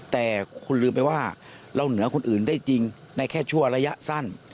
แต่คุณลืมไปว่าเราเหนือคนอื่นได้จริงในแค่ชั่วระยะสั้น